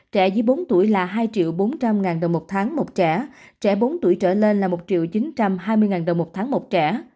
trẻ dưới bốn tuổi là hai bốn trăm linh ngàn đồng một tháng một trẻ trẻ bốn tuổi trở lên là một chín trăm hai mươi đồng một tháng một trẻ